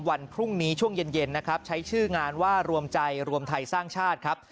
วันพรุ่งนี้ช่วงเย็นนะครับใช้ชื่องานว่ารวมใจรวมไทยสร้างชาติครับ